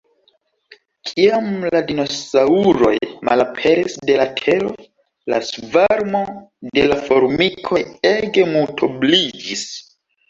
Kiam la dinosaŭroj malaperis de la tero, la svarmo de la formikoj ege multobliĝis.